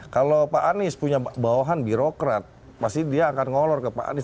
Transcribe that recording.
kalau pak anies punya bawahan birokrat pasti dia akan ngolor ke pak anies